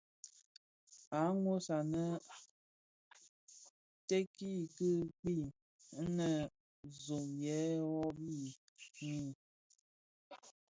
Àa nwos anè kite kì kpii, inè zòò yëë rôôghi mii.